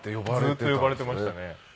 ずっと呼ばれてましたね。